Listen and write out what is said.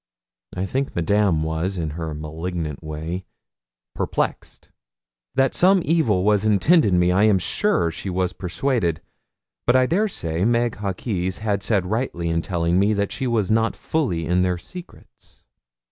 I think Madame was, in her malignant way, perplexed. That some evil was intended me I am sure she was persuaded; but I dare say Meg Hawkes had said rightly in telling me that she was not fully in their secrets.